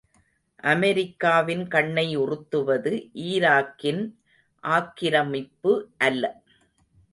அமெரிக்காவின் கண்ணை உறுத்துவது ஈராக்கின் ஆக்கிரமிப்பு அல்ல.